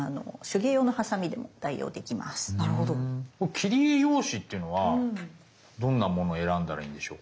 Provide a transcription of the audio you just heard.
切り絵用紙っていうのはどんなものを選んだらいいんでしょう？